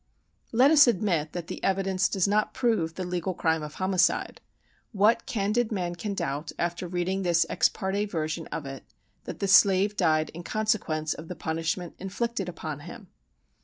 Let us admit that the evidence does not prove the legal crime of homicide: what candid man can doubt, after reading this ex parte version of it, that the slave died in consequence of the punishment inflicted upon him?